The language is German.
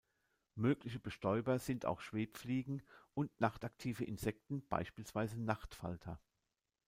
Mögliche Bestäuber sind auch Schwebfliegen und nachtaktive Insekten beispielsweise Nachtfalter.